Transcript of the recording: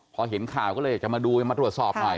พอเห็นข่าวก็เลยอยากจะมาดูมาตรวจสอบหน่อย